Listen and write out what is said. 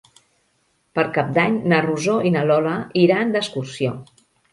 Per Cap d'Any na Rosó i na Lola iran d'excursió.